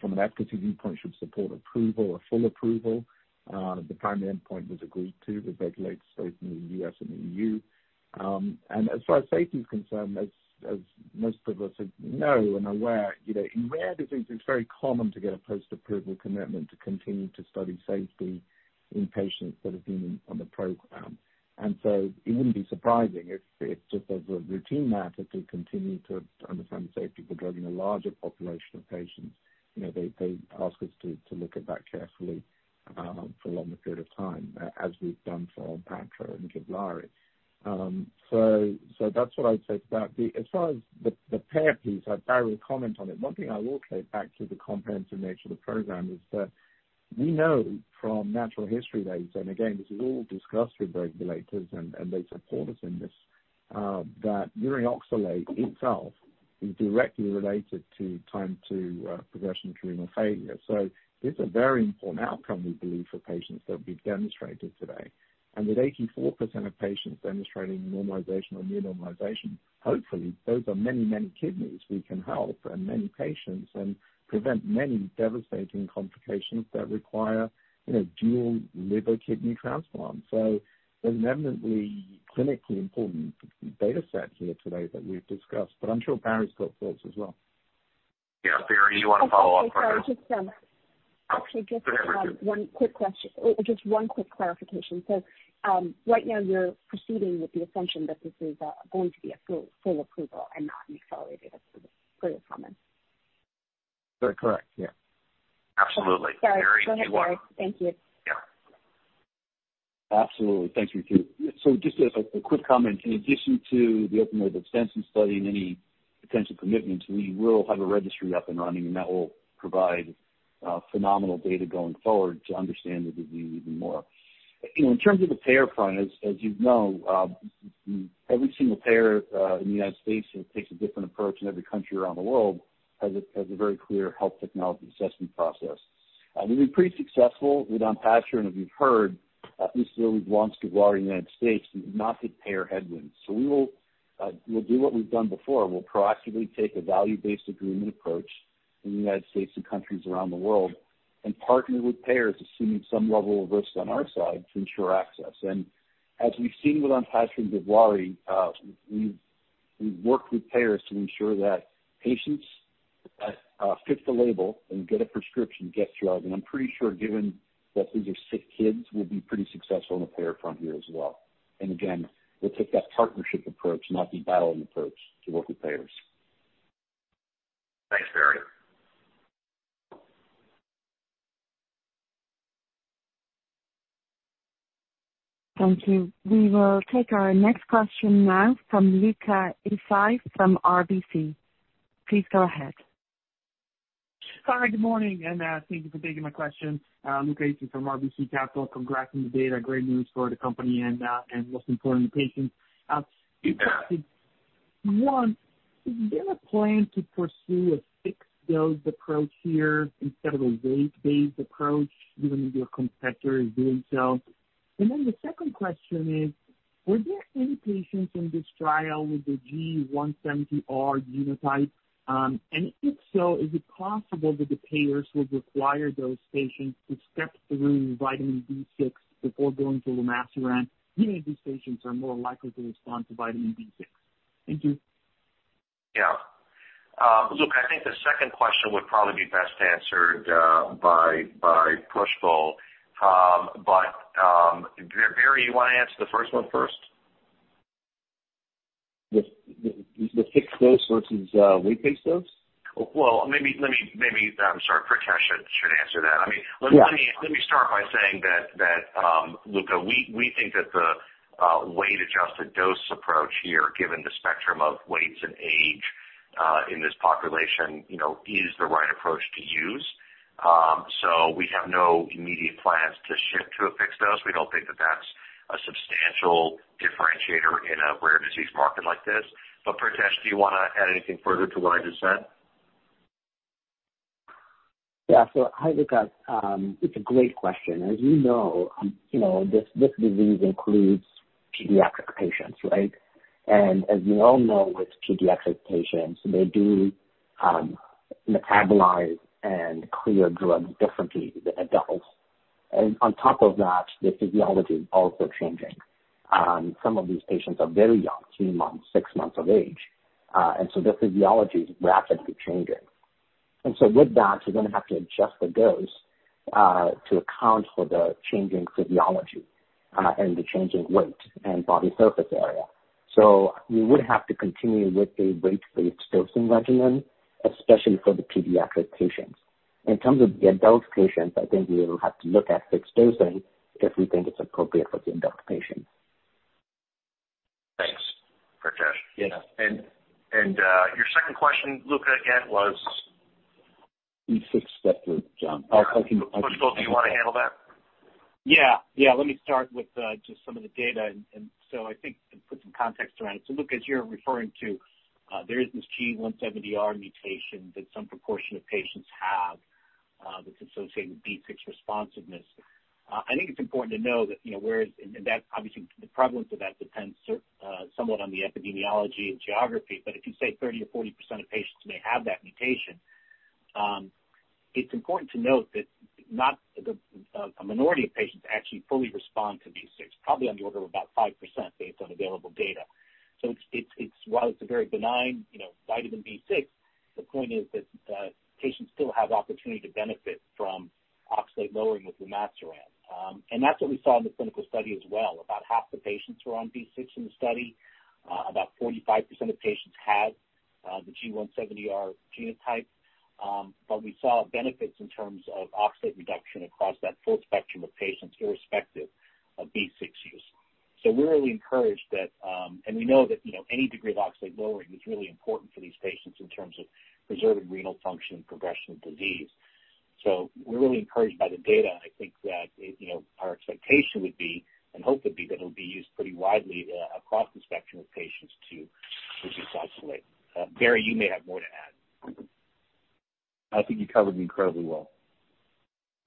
from an efficacy viewpoint, it should support approval or full approval. The primary endpoint was agreed to with regulatory authorities in the U.S. and the E.U. And as far as safety is concerned, as most of us know and are aware, in rare diseases, it's very common to get a post-approval commitment to continue to study safety in patients that have been on the program. And so it wouldn't be surprising if, just as a routine matter, they continue to understand the safety of the drug in a larger population of patients. They ask us to look at that carefully for a longer period of time, as we've done for Onpattro and Givlaari. So that's what I would say to that. As far as the payer piece, I'd be happy to comment on it. One thing I will say back to the comprehensive nature of the program is that we know from natural history data, and again, this is all discussed with regulators, and they support us in this, that urine oxalate itself is directly related to time to progression to renal failure. So it's a very important outcome, we believe, for patients that we've demonstrated today, and with 84% of patients demonstrating normalization or near normalization, hopefully, those are many, many kidneys we can help and many patients and prevent many devastating complications that require dual liver-kidney transplant, so there's an evidently clinically important data set here today that we've discussed, but I'm sure Barry's got thoughts as well. Yeah. Barry, do you want to follow up? I just want to just have one quick question. Just one quick clarification. So right now, you're proceeding with the assumption that this is going to be a full approval and not an accelerated approval. Clear comment. Correct. Correct. Yeah. Absolutely. Barry, do you want? Sorry. Thank you. Yeah. Absolutely. Thank you, too. So just a quick comment. In addition to the open label extension study and any potential commitments, we will have a registry up and running, and that will provide phenomenal data going forward to understand the disease even more. In terms of the payer front, as you know, every single payer in the United States, and it takes a different approach in every country around the world, has a very clear health technology assessment process. We've been pretty successful with Onpattro, and as you've heard, at least we've launched Givlaari in the United States, and we've not hit payer headwinds. So we'll do what we've done before. We'll proactively take a value-based agreement approach in the United States and countries around the world and partner with payers, assuming some level of risk on our side, to ensure access. And as we've seen with Onpattro and Givlaari, we've worked with payers to ensure that patients fit the label and get a prescription, get drug. And I'm pretty sure, given that these are sick kids, we'll be pretty successful on the payer front here as well. And again, we'll take that partnership approach, not the battling approach, to work with payers. Thanks, Barry. Thank you. We will take our next question now from Luca Issi from RBC. Please go ahead. Hi. Good morning, and thank you for taking my question. Luca Issi from RBC Capital. Congrats on the data. Great news for the company and, most importantly, the patients. Do you want—is there a plan to pursue a fixed dose approach here instead of a weight-based approach given your competitors doing so? And then the second question is, were there any patients in this trial with the G170R genotype? And if so, is it possible that the payers would require those patients to step through vitamin B6 before going to lumasiran? Many of these patients are more likely to respond to vitamin B6. Thank you. Yeah. Look, I think the second question would probably be best answered by Pushkal. But Barry, do you want to answer the first one first? The fixed dose vs weight-based dose? Well, maybe, I'm sorry. Pritesh should answer that. I mean, let me start by saying that, Luca, we think that the weight-adjusted dose approach here, given the spectrum of weights and age in this population, is the right approach to use. We have no immediate plans to shift to a fixed dose. We don't think that that's a substantial differentiator in a rare disease market like this. But Pritesh, do you want to add anything further to what I just said? Yeah. Hi, Luca. It's a great question. As you know, this disease includes pediatric patients, right? And as we all know, with pediatric patients, they do metabolize and clear drugs differently than adults. And on top of that, the physiology is also changing. Some of these patients are very young, three months, six months of age. And so the physiology is rapidly changing. And so with that, you're going to have to adjust the dose to account for the changing physiology and the changing weight and body surface area. So we would have to continue with a weight-based dosing regimen, especially for the pediatric patients. In terms of the adult patients, I think we will have to look at fixed dosing if we think it's appropriate for the adult patients. Thanks, Pritesh. Yeah. And your second question, Luca, again, was? The B6 step group, John. I can. Pushkal, do you want to handle that? Yeah. Yeah. Let me start with just some of the data. And so I think to put some context around it. So Luca, as you're referring to, there is this G170R mutation that some proportion of patients have that's associated with B6 responsiveness. I think it's important to know that whereas, and that, obviously, the prevalence of that depends somewhat on the epidemiology and geography. but if you say 30% or 40% of patients may have that mutation, it's important to note that not a minority of patients actually fully respond to B6, probably on the order of about 5% based on available data. so while it's a very benign vitamin B6, the point is that patients still have the opportunity to benefit from oxalate lowering with lumasiran. and that's what we saw in the clinical study as well. About half the patients were on B6 in the study. About 45% of patients had the G170R genotype. but we saw benefits in terms of oxalate reduction across that full spectrum of patients irrespective of B6 use. so we're really encouraged that, and we know that any degree of oxalate lowering is really important for these patients in terms of preserving renal function and progression of disease. so we're really encouraged by the data. I think that our expectation would be and hope would be that it'll be used pretty widely across the spectrum of patients to reduce oxalate. Barry, you may have more to add. I think you covered it incredibly well.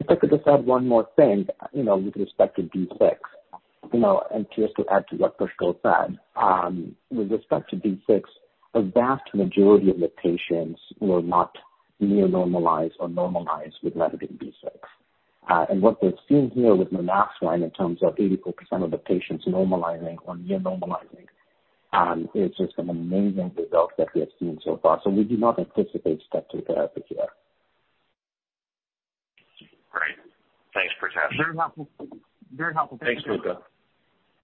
If I could just add one more thing with respect to B6, and just to add to what Pushkal said, with respect to B6, a vast majority of the patients were not near normalized or normalized with B6. And what we've seen here with lumasiran in terms of 84% of the patients normalizing or near normalizing is just an amazing result that we have seen so far. So we do not anticipate step two therapy here. Great. Thanks, Pritesh. Very helpful. Very helpful. Thanks, Luca.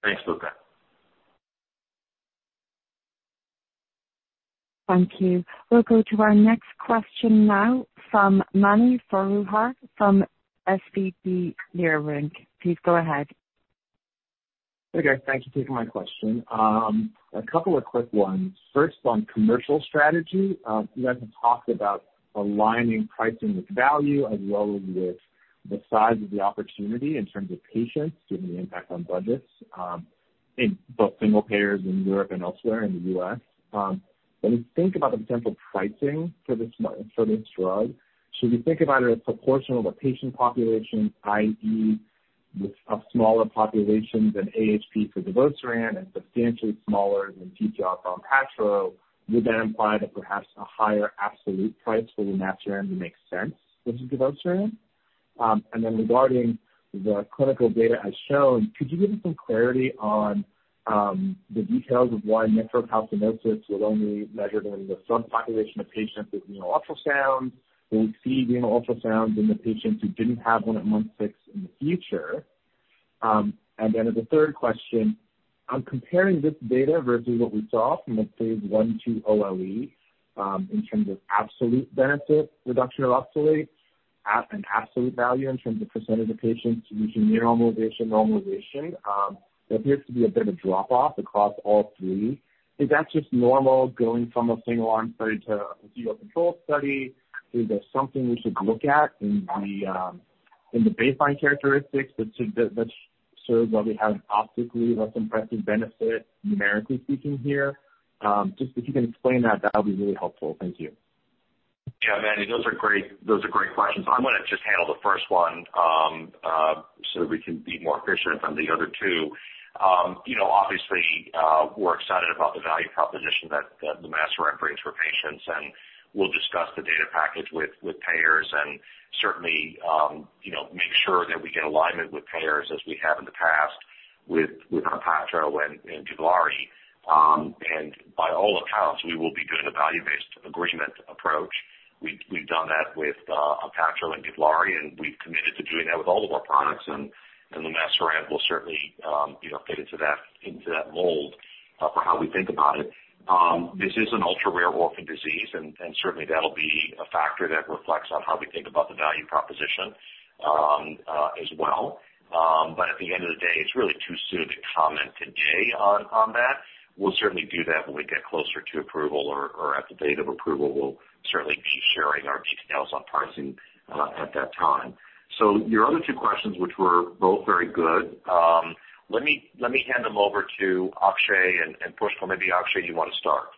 Thanks, Luca. Thank you. We'll go to our next question now from Mani Foroohar from SVB Leerink. Please go ahead. Okay. Thank you for taking my question. A couple of quick ones. First, on commercial strategy, you guys have talked about aligning pricing with value as well as with the size of the opportunity in terms of patients, given the impact on budgets in both single payers in Europe and elsewhere in the U.S. When we think about the potential pricing for this drug, should we think about it as proportional to the patient population, i.e., with a smaller population than AHP for Givlaari and substantially smaller than ATTR for Onpattro, would that imply that perhaps a higher absolute price for lumasiran would make sense vs Givlaari? And then regarding the clinical data as shown, could you give us some clarity on the details of why nephrocalcinosis was only measured in the subpopulation of patients with renal ultrasound? Will we see renal ultrasounds in the patients who didn't have one at month six in the future? Then as a third question, I'm comparing this data versus what we saw from the Phase 1/2 OLE in terms of absolute benefit reduction of oxalate at an absolute value in terms of percentage of patients using near normalization, normalization. There appears to be a bit of drop-off across all three. Is that just normal going from a single arm study to a placebo-controlled study? Is there something we should look at in the baseline characteristics that serves while we have optically less impressive benefit, numerically speaking, here? Just if you can explain that, that would be really helpful. Thank you. Yeah. Mani, those are great questions. I'm going to just handle the first one so that we can be more efficient on the other two. Obviously, we're excited about the value proposition that lumasiran brings for patients. We'll discuss the data package with payers and certainly make sure that we get alignment with payers as we have in the past with Onpattro and Givlaari. By all accounts, we will be doing a value-based agreement approach. We've done that with Onpattro and Givlaari, and we've committed to doing that with all of our products. Lumasiran will certainly fit into that mold for how we think about it. This is an ultra-rare orphan disease, and certainly, that'll be a factor that reflects on how we think about the value proposition as well. At the end of the day, it's really too soon to comment today on that. We'll certainly do that when we get closer to approval or at the date of approval. We'll certainly be sharing our details on pricing at that time. So your other two questions, which were both very good, let me hand them over to Akshay and Pushkal. Maybe Akshay, you want to start.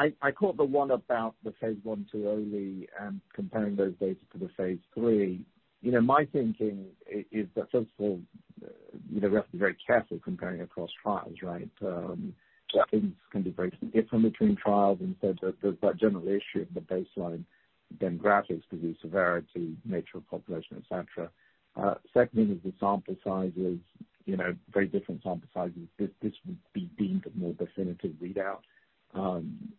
I caught the one about the Phase 1/2 OLE and comparing those data to the Phase 3. My thinking is that, first of all, we have to be very careful comparing across trials, right? Things can be very different between trials, and said that there's that general issue of the baseline demographics, disease severity, nature of population, etc. Second, is the sample sizes, very different sample sizes. This would be deemed a more definitive readout.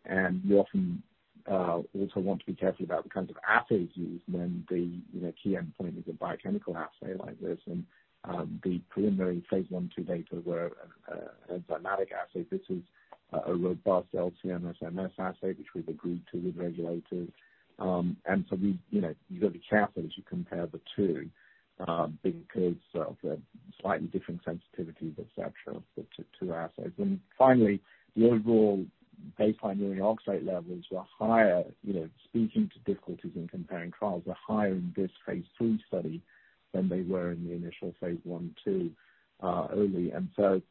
And we often also want to be careful about the kinds of assays used when the key endpoint is a biochemical assay like this. And the preliminary Phase 1/2 data were enzymatic assays. This is a robust LC-MS/MS assay, which we've agreed to with regulators. And so you've got to be careful as you compare the two because of the slightly different sensitivities, etc., to assays. And finally, the overall baseline urine oxalate levels were higher, speaking to difficulties in comparing trials, were higher in this Phase 3 study than they were in the initial Phase 1/2 OLE. And so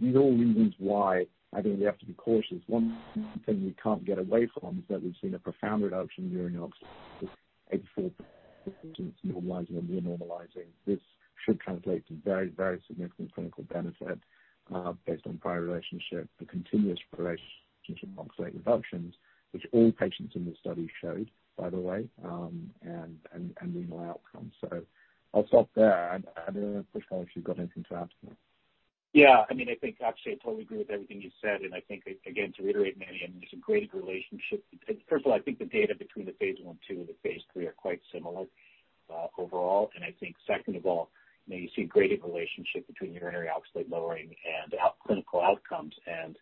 these are all reasons why, I think, we have to be cautious. One thing we can't get away from is that we've seen a profound reduction in urine oxalate with 84% patients normalizing or near normalizing. This should translate to very, very significant clinical benefit based on prior relationship, the continuous relationship of oxalate reductions, which all patients in this study showed, by the way, and renal outcomes. So I'll stop there. And I don't know, Pushkal, if you've got anything to add to that. Yeah. I mean, I think, actually, I totally agree with everything you said. And I think, again, to reiterate, Mani, I mean, there's a great relationship. First of all, I think the data between the Phase 1/2 and the Phase 3 are quite similar overall. And I think, second of all, you see a greater relationship between urinary oxalate lowering and clinical outcomes. And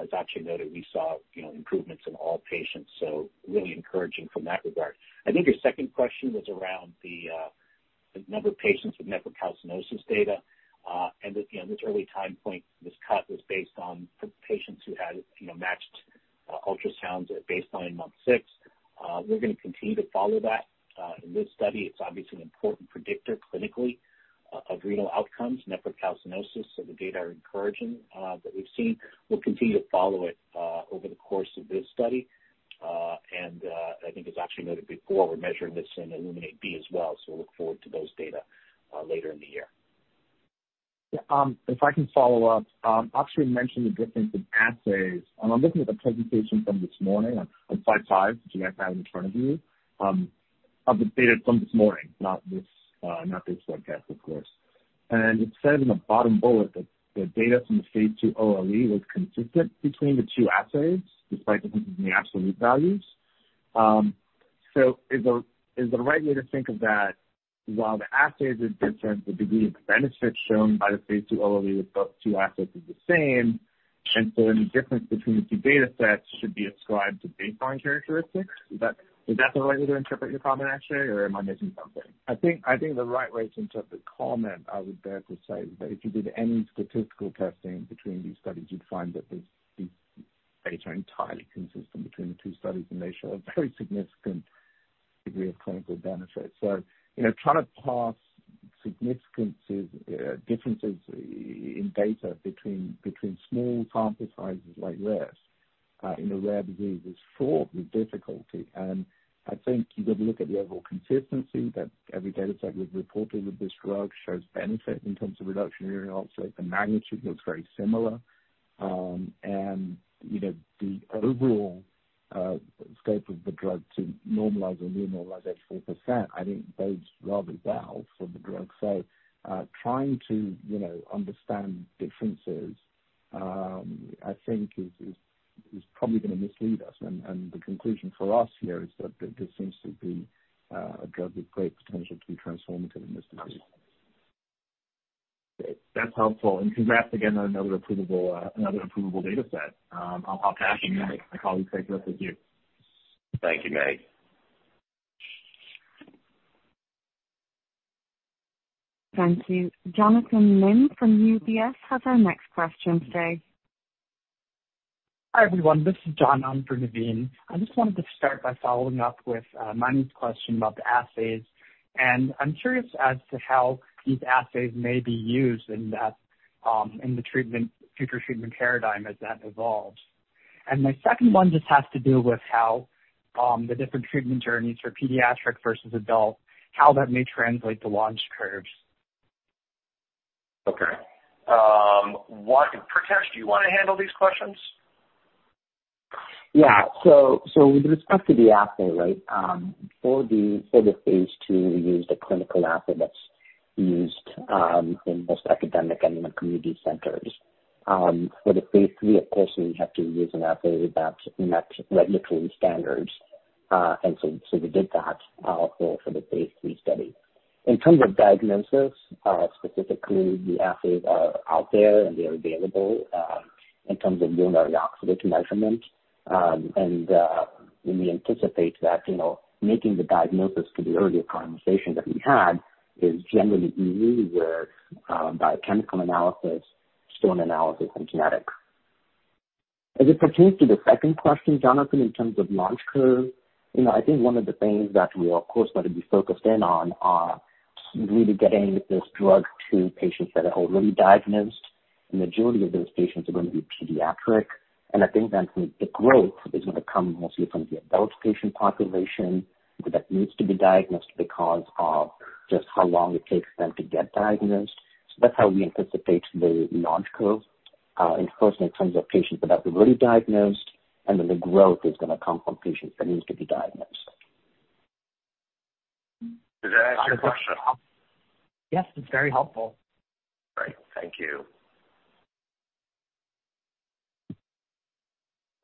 as Akshay noted, we saw improvements in all patients. So really encouraging from that regard. I think your second question was around the number of patients with nephrocalcinosis data. And at this early time point, this cut was based on patients who had matched ultrasounds at baseline month six. We're going to continue to follow that in this study. It's obviously an important predictor clinically of renal outcomes, nephrocalcinosis. So the data are encouraging that we've seen. We'll continue to follow it over the course of this study. I think, as Akshay noted before, we're measuring this in ILLUMINATE-B as well. We'll look forward to those data later in the year. Yeah. If I can follow up, Akshay mentioned the difference in assays. I'm looking at the presentation from this morning. I'm on slide 55, which you guys have in front of you, of the data from this morning, not this podcast, of course. It says in the bottom bullet that the data from the Phase 2 OLE was consistent between the two assays despite differences in the absolute values. Is the right way to think of that, while the assays are different, the degree of benefit shown by the Phase 2 OLE with both assays is the same? And so any difference between the two data sets should be ascribed to baseline characteristics. Is that the right way to interpret your comment, Akshay, or am I missing something? I think the right way to interpret the comment I would dare to say is that if you did any statistical testing between these studies, you'd find that these data are entirely consistent between the two studies, and they show a very significant degree of clinical benefit. So trying to parse significant differences in data between small sample sizes like this in a rare disease is fraught with difficulty. And I think you've got to look at the overall consistency that every data set we've reported with this drug shows benefit in terms of reduction in urine oxalate. The magnitude looks very similar. And the overall scope of the drug to normalize or near normalize at 4%, I think bodes rather well for the drug. So trying to understand differences, I think, is probably going to mislead us. And the conclusion for us here is that this seems to be a drug with great potential to be transformative in this disease. That's helpful. And congrats again on another approval data set. I'll pass it to my colleagues to take a look with you. Thank you, Meg. Thank you. Navin Jacob from UBS has our next question today. Hi, everyone. This is Navin Jacob. I just wanted to start by following up with Mani's question about the assays. And I'm curious as to how these assays may be used in the future treatment paradigm as that evolves. My second one just has to do with how the different treatment journeys for pediatric vs adult, how that may translate to launch curves. Okay. Pritesh, do you want to handle these questions? Yeah. So with respect to the assay, right, for the Phase 2, we used a clinical assay that's used in most academic and community centers. For the Phase 3, of course, we have to use an assay that's met regulatory standards. And so we did that for the Phase 3 study. In terms of diagnosis, specifically, the assays are out there, and they're available in terms of urinary oxalate measurement. And we anticipate that making the diagnosis, to the earlier conversation that we had, is generally easy with biochemical analysis, stone analysis, and genetic. As it pertains to the second question, Jonathan, in terms of launch curve, I think one of the things that we are, of course, going to be focused in on is really getting this drug to patients that are already diagnosed. And the majority of those patients are going to be pediatric. And I think that the growth is going to come mostly from the adult patient population that needs to be diagnosed because of just how long it takes them to get diagnosed. So that's how we anticipate the launch curve, in first, in terms of patients that have already diagnosed, and then the growth is going to come from patients that need to be diagnosed. Does that answer your question? Yes. It's very helpful. Great. Thank you.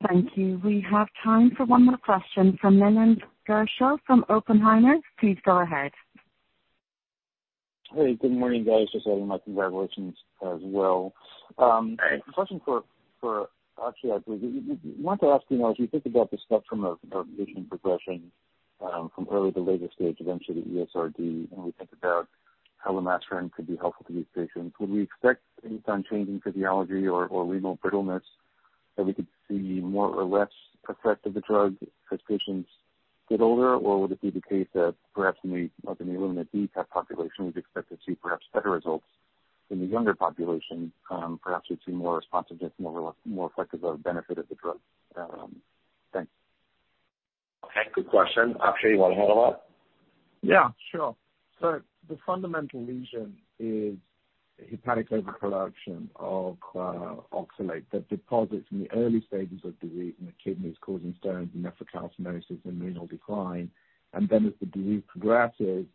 Thank you. We have time for one more question from Leland Gershell from Oppenheimer. Please go ahead. Hey. Good morning, guys. Just adding my congratulations as well. A question for Akshay, I believe. I want to ask, as you think about the spectrum of disease progression from early to later stage, eventually to ESRD, and we think about how lumasiran could be helpful to these patients, would we expect any time-changing physiology or renal function that we could see more or less effect of the drug as patients get older? Or would it be the case that perhaps in the ILLUMINATE-B type population, we'd expect to see perhaps better results in the younger population? Perhaps we'd see more responsiveness, more effective benefit of the drug. Thanks. Okay. Good question. Akshay, you want to handle that? Yeah. Sure, so the fundamental lesion is hepatic overproduction of oxalate that deposits in the early stages of disease in the kidneys, causing stones, nephrocalcinosis, and renal decline. As the disease progresses,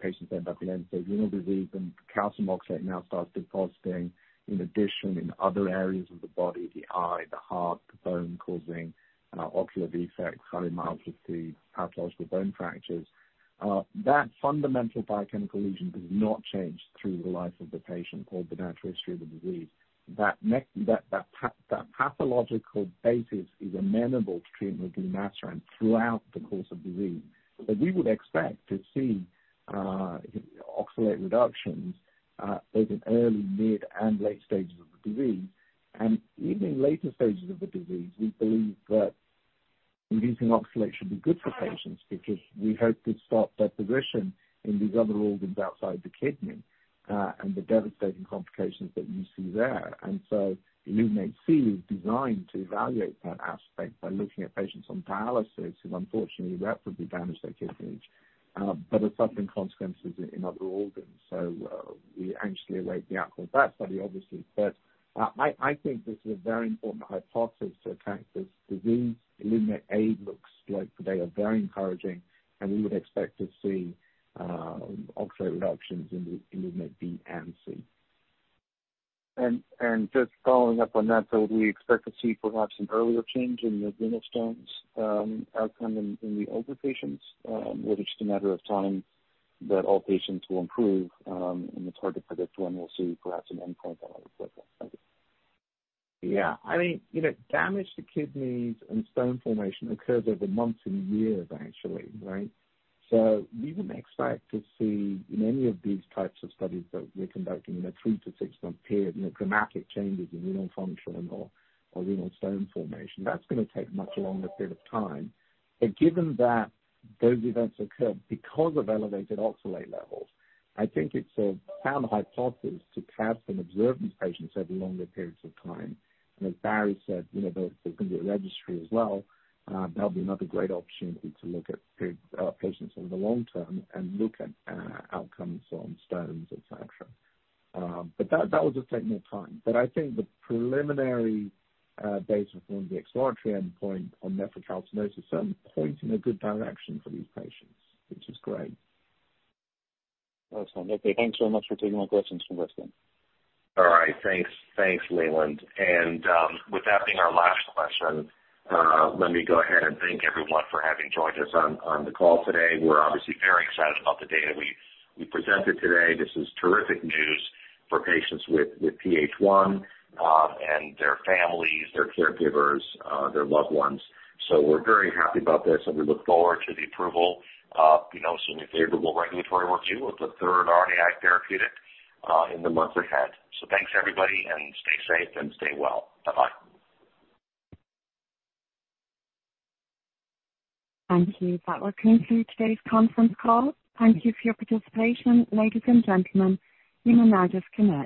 patients end up with end-stage renal disease, and calcium oxalate now starts depositing in addition in other areas of the body: the eye, the heart, the bone, causing ocular defects, high-grade heart block, pathological bone fractures. That fundamental biochemical lesion does not change through the life of the patient or the natural history of the disease. That pathological basis is amenable to treatment with lumasiran throughout the course of disease. We would expect to see oxalate reductions both in early, mid, and late stages of the disease. Even in later stages of the disease, we believe that reducing oxalate should be good for patients because we hope to stop deposition in these other organs outside the kidney and the devastating complications that you see there. And so ILLUMINATE-C is designed to evaluate that aspect by looking at patients on dialysis who, unfortunately, rapidly damage their kidneys but are suffering consequences in other organs. So we anxiously await the outcome of that study, obviously. But I think this is a very important hypothesis to attack this disease. ILLUMINATE-A looks like today are very encouraging, and we would expect to see oxalate reductions in ILLUMINATE-B and C. And just following up on that, so we expect to see perhaps an earlier change in the renal stones outcome in the older patients, or it's just a matter of time that all patients will improve? And it's hard to predict when we'll see perhaps an endpoint that will look like that. Yeah. I mean, damage to kidneys and stone formation occurs over months and years, actually, right? So we wouldn't expect to see in any of these types of studies that we're conducting in a three- to six-month period, dramatic changes in renal function or renal stone formation. That's going to take a much longer period of time. But given that those events occur because of elevated oxalate levels, I think it's a sound hypothesis to have some observation of patients over longer periods of time. And as Barry said, there's going to be a registry as well. That'll be another great opportunity to look at patients over the long term and look at outcomes on stones, etc. But that will just take more time. But I think the preliminary data from the exploratory endpoint on nephrocalcinosis certainly points in a good direction for these patients, which is great. That's fantastic. Thanks very much for taking my questions, Pritesh. All right. Thanks, Leland. And with that being our last question, let me go ahead and thank everyone for having joined us on the call today. We're obviously very excited about the data we presented today. This is terrific news for patients with PH1 and their families, their caregivers, their loved ones. So we're very happy about this, and we look forward to the approval and a favorable regulatory review of the third RNAi therapeutic in the months ahead. So thanks, everybody, and stay safe and stay well. Bye-bye. Thank you. That will conclude today's conference call. Thank you for your participation, ladies and gentlemen. You may now disconnect.